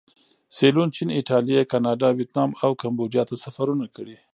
سیلون، چین، ایټالیې، کاناډا، ویتنام او کمبودیا ته سفرونه کړي.